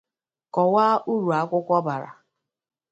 kọwaa uru akwụkwọ bara